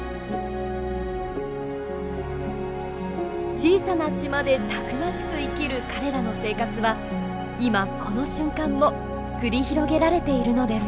小さな島でたくましく生きる彼らの生活は今この瞬間も繰り広げられているのです。